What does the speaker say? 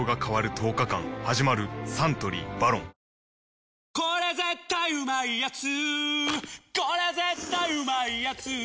サントリー「ＶＡＲＯＮ」「日清これ絶対うまいやつ」